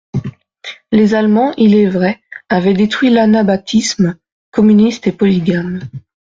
Les Allemands, il est vrai, avaient détruit l'anabaptisme (communiste et polygame).